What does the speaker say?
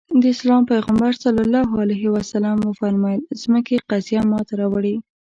د اسلام پيغمبر ص وفرمايل ځمکې قضيه ماته راوړي.